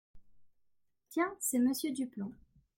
Tiens, c’est Monsieur Duplan.